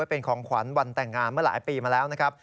เป็นของขวัญวันแต่งงานเมื่อหลายปีมาแล้วนะครับ